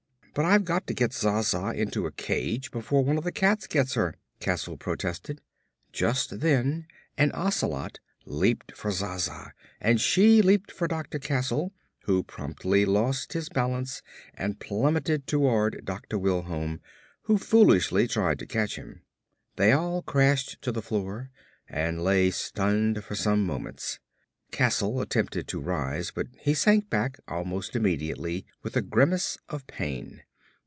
"But I've got to get Zsa Zsa into a cage before one of the cats gets her," Castle protested. Just then an ocelot leaped for Zsa Zsa and she leaped for Dr. Castle who promptly lost his balance and plummeted toward Dr. Wilholm who foolishly tried to catch him. They all crashed to the floor and lay stunned for some moments. Castle attempted to rise but he sank back almost immediately with a grimace of pain.